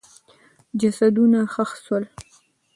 جسدونه ښخ سول.